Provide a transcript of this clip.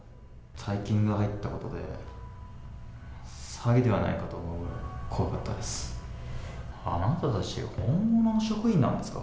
大金が入ったことで、詐欺ではないかと思うぐらい怖かったです。